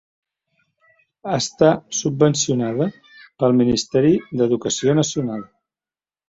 Està subvencionada pel Ministeri d'Educació Nacional.